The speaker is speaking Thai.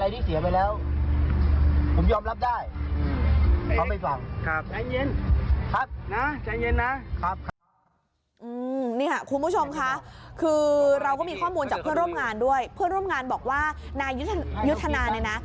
นี่ค่ะคุณผู้ชมค่ะคือเราก็มีข้อมูลจากเพื่อนร่วมงานด้วยเพื่อนร่วมงานบอกว่านายยุทธนาเนี่ยนะ